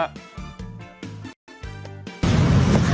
เท่าไหร่ค่ะ๓๕๐ครับ